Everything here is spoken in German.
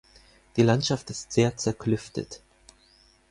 Die Landschaft ist sehr zerklüftet.